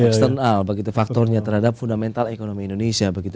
eksternal begitu faktornya terhadap fundamental ekonomi indonesia begitu